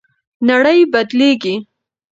نړۍ بدلیږي.